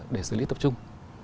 để xử lý tập trung